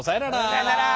さようなら。